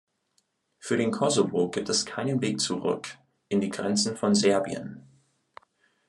Für den Kosovo gibt es keinen Weg zurück in die Grenzen von Serbien.